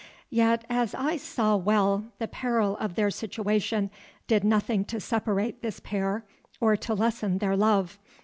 Yet, as I saw well, the peril of their situation did nothing to separate this pair or to lessen their love.